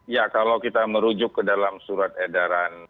ya kalau kita merujuk ke dalam surat edaran